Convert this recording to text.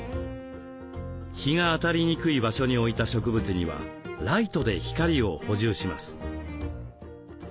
日が当たりにくい場所に置いた植物にはライトで光を補充します。